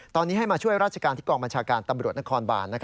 ตอนนี้ให้มาช่วยราชการที่กองบัญชาการตำรวจนครบาน